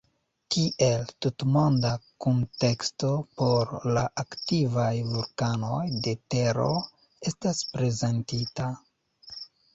Tiel, tutmonda kunteksto por la aktivaj vulkanoj de tero estas prezentita.